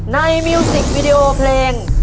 มิวสิกวิดีโอเพลง